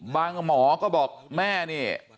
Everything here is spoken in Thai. บางหมอก็บอกแม่เนี่ย